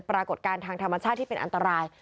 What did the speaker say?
ปรากฏการณ์ทางธรรมชาติที่เป็นอันตราย